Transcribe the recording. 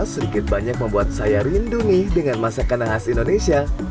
sedikit banyak membuat saya rindu nih dengan masakan khas indonesia